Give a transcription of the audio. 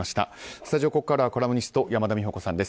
スタジオ、ここからはコラムニスト山田美保子さんです。